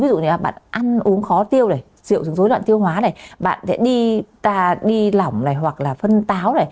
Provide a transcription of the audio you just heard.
ví dụ như bạn ăn uống khó tiêu triệu trứng dối loạn tiêu hóa bạn đi lỏng hoặc là phân táo